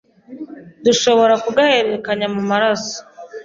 dushobora kugahererekanya mu maraso